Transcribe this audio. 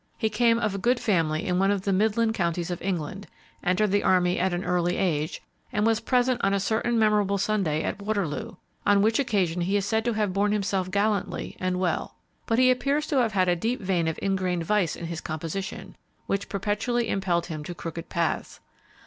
He came of a good family in one of the Midland Counties of England; entered the army at an early age, and was present on a certain memorable Sunday at Waterloo, on which occasion he is said to have borne himself gallantly and well. But he appears to have had a deep vein of ingrained vice in his composition, which perpetually impelled him to crooked paths.